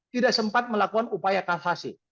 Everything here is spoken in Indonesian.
tidak sempat melakukan upaya kavasi